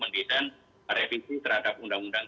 mendesain revisi terhadap undang undang